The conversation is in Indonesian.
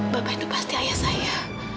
bapak itu pasti ayah saya